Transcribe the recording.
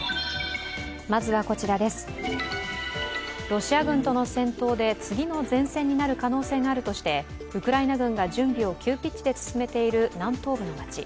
ロシア軍との戦闘で次の前線になる可能性があるとしてウクライナ軍が準備を急ピッチで進めている南東部の街。